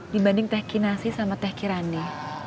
dibanding teh kinasi sama teh kirani